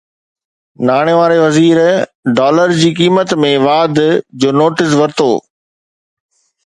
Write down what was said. ناڻي واري وزير ڊالر جي قيمت ۾ واڌ جو نوٽيس ورتو